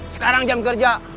sekarang jam kerja